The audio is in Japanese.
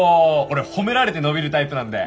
俺褒められて伸びるタイプなんで！